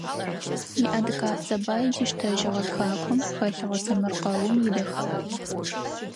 Иадыгабзэ бай диштэжьыщтыгъэ тхакӏом хэлъыгъэ сэмэркъэум идэхагъи.